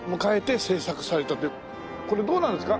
これどうなんですか？